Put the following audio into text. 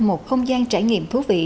một không gian trải nghiệm thú vị